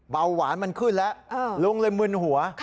เบาหวานมันขึ้นแล้วลุงเลยมึนหัว